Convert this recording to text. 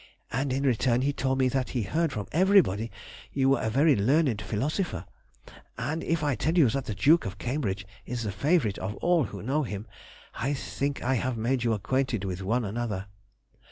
and in return he told me that he heard from everybody you were a very learned philosopher; and if I tell you that the Duke of Cambridge is the favourite of all who know him, I think I have made you acquainted with one another.